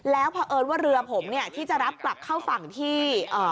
แล้วเพราะเอิญว่าเรือผมเนี่ยที่จะรับกลับเข้าฝั่งที่